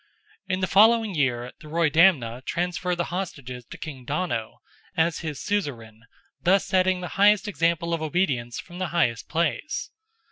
In the following year, the Roydamna transferred the hostages to King Donogh, as his suzerain, thus setting the highest example of obedience from the highest place.